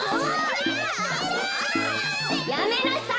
やめなさい！